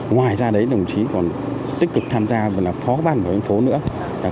ngoài ra đấy đồng chí còn tích cực tham gia phó bàn bảo hiểm phố nữa